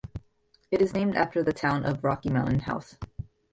It is named after the town of Rocky Mountain House.